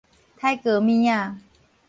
癩物仔